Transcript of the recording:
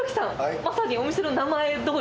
まさにお店の名前どおり。